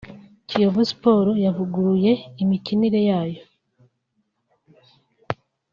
Kiyovu Sport yavuguruye imikinire yayo